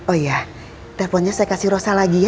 oh iya teleponnya saya kasih rosa lagi ya